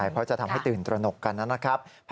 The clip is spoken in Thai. เพราะจะทำให้ตื่นตระหนกกันนะครับ